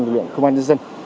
lực lượng công an nhân dân